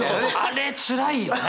あれつらいよね！